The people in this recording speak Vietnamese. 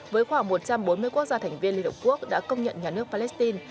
với khoảng một trăm bốn mươi quốc gia thành viên liên hợp quốc đã công nhận nhà nước palestine